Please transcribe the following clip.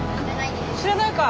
知らないか。